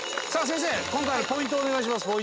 先生、今回のポイントお願いします。